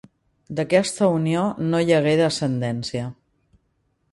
D'aquesta unió no hi hagué descendència.